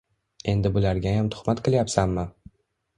Endi bulargayam tuhmat qilyapsanmi?!